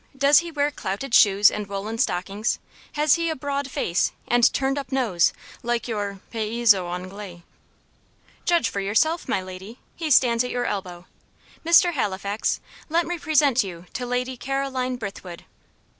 Does he wear clouted shoes and woollen stockings? Has he a broad face and turned up nose, like your 'paysans Anglais'?" "Judge for yourself, my lady he stands at your elbow. Mr. Halifax, let me present you to Lady Caroline Brithwood."